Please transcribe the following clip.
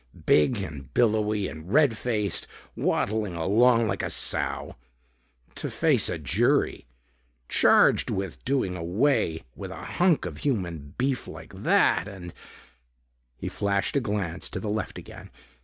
Big and billowy and red faced, waddling along like a sow. To face a jury, charged with doing away with a hunk of human beef like that and He flashed a glance to the left again.